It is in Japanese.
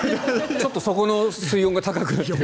ちょっとそこの水温が高くなってる。